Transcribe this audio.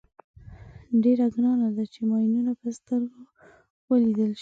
ډېره ګرانه ده چې ماینونه په سترګو ولیدل شي.